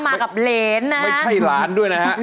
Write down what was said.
มากับเหรนนะครับไม่ใช่หลานด้วยนะครับ